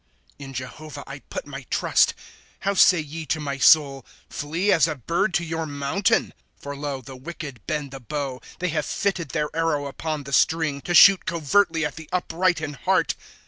1 In Jehovah put I my trust. How say ye to my soul : Flee [as] a bird to your mountain !* For lo, the wicked bend the bow ; They have fitted their arrow iipon the string. To shoot covertly at the upright in heart.